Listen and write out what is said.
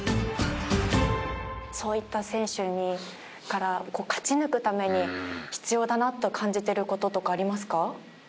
そういった選手から勝ち抜くために必要だなと感じてる事とかありますか？